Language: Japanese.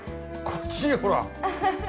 こっちにほら。